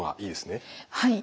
はい。